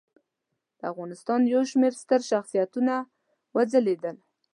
د افغانستان یو شمېر ستر شخصیتونه وځلیدل.